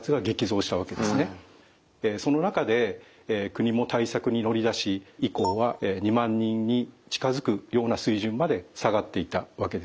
その中で国も対策に乗り出し以降は２万人に近づくような水準まで下がっていたわけです。